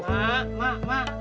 mak mak mak